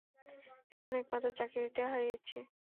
এখন একমাত্র চাকরিটা হারিয়েছি।